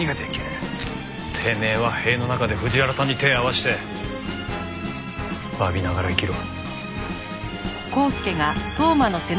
てめえは塀の中で藤原さんに手ぇ合わせて詫びながら生きろ。